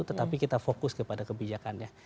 tetapi kita fokus kepada kebijakannya